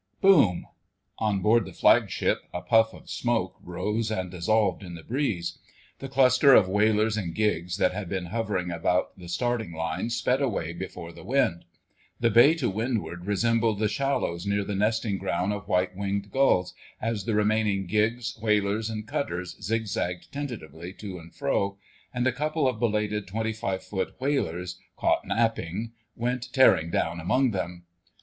* Boom! On board the Flagship a puff of smoke rose and dissolved in the breeze; the cluster of whalers and gigs that had been hovering about the starting line sped away before the wind. The bay to windward resembled the shallows near the nesting ground of white winged gulls as the remaining gigs, whalers, and cutters zigzagged tentatively to and fro, and a couple of belated 25 feet whalers, caught napping, went tearing down among them.